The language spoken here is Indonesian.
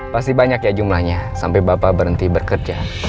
pasti banyak ya jumlahnya sampai bapak berhenti bekerja